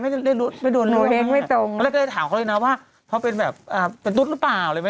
อันนี้ก็ต้องรองรับไปเนอะ